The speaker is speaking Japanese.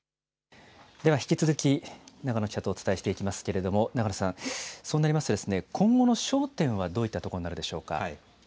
では引き続き、長野記者とお伝えしていきますけれども、長野さん、そうなりますとですね、今後の焦点はどういったところになるでしょうか？